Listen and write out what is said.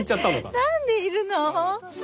「何でいるの？